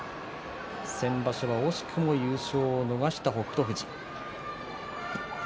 先場所、惜しくも優勝を逃した北勝富士。